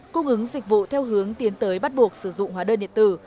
cung ứng dịch vụ theo hướng tiến tới bắt buộc sử dụng hóa đơn điện tử